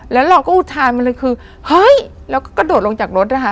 แล้วเราก็อุทานมาเลยคือเฮ้ยแล้วก็กระโดดลงจากรถนะคะ